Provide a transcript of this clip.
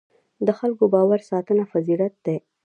د خلکو باور ساتنه فضیلت دی.